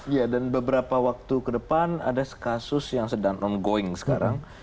ya dan beberapa waktu ke depan ada kasus yang sedang ongoing sekarang